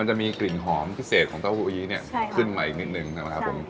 มันจะมีกลิ่นหอมพิเศษของเต้าหุยเนี้ยใช่ครับขึ้นใหม่อีกนิดนึงนะครับผม